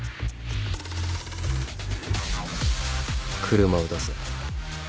車を出せ。